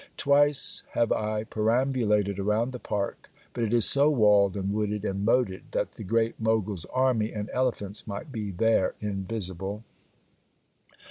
Twice have I perambulated around the park; but it is so walled and wooded and moated that the great Mogul's army and elephants might be there invisible.